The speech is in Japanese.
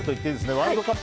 ワールドカップ